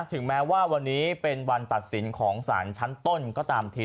ถึงแม้ว่าวันนี้เป็นวันตัดสินของสารชั้นต้นก็ตามที